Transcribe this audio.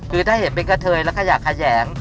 คือถ้าเห็นเป็นกระเทยแล้วขยะแขยง